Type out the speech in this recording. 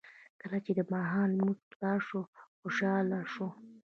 کله چې د ماښام لمونځ خلاص شو خوشاله شو.